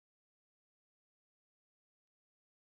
Terapia talde batean egingo dute bat.